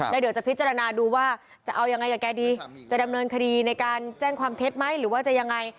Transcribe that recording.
และเดี๋ยวจะพิจารณาด้วยว่าจะเอายังไงแกจะดำเนินคดีในการแจ้งความเท้นไหม